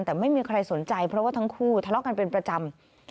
แต่ไม่มีใครสนใจเพราะว่าทั้งคู่ทะเลาะกันเป็นประจำ